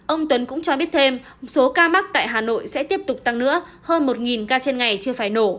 ông tuấn cũng cho biết thêm số ca mắc tại hà nội sẽ tiếp tục tăng nữa hơn một ca trên ngày chưa phải nổ